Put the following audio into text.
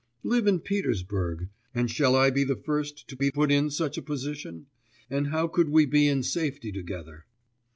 Live in Petersburg ... and shall I be the first to be put in such a position? And how could we be in safety together?...